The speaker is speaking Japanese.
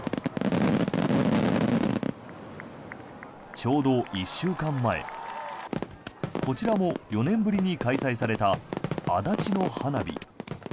ちょうど１週間前こちらも４年ぶりに開催された足立の花火。